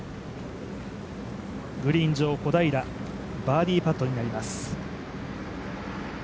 グリーン上、小平バーディーパットになります。